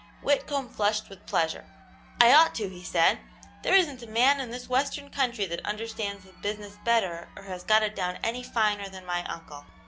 Whitcomb flushed with pleasure. "I ought to," he said; "there isn't a man in this western country that understands the business better or has got it down any finer than my uncle.